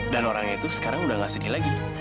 dan orang itu sekarang udah gak sedih lagi